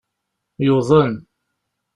Yuḍen.